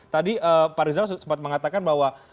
tadi pak rizal sempat mengatakan bahwa